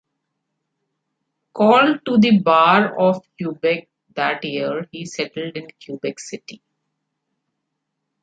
Called to the Bar of Quebec that year, he settled in Quebec City.